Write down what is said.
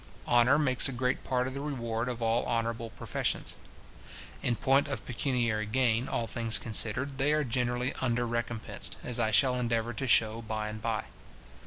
Honour makes a great part of the reward of all honourable professions. In point of pecuniary gain, all things considered, they are generally under recompensed, as I shall endeavour to shew by and by.